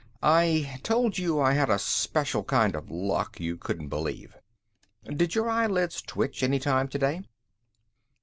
"I told you I had a special kind of luck you couldn't believe. Did your eyelids twitch any time today?"